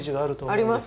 あります。